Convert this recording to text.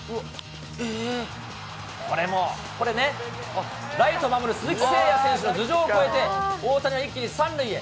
これも、これね、ライトを守る鈴木誠也選手の頭上を越えて、大谷は一気に３塁へ。